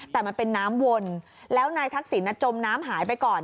แต่มันเป็นน้ำวนแล้วนายทักษิณจมน้ำหายไปก่อน